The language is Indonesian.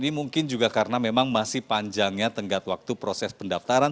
ini mungkin juga karena memang masih panjangnya tenggat waktu proses pendaftaran